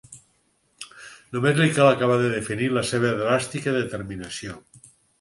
Només li cal acabar de definir la seva dràstica determinació.